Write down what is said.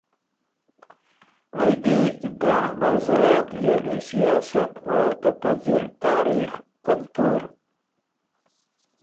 ائ دی ګنړ موضوعات یعنی سیاست او ته پۀ ځِر تاریخ، کلتُور،